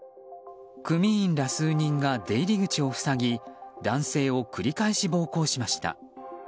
組員ら数人が出入り口を塞ぎ男性を繰り返し暴行しました。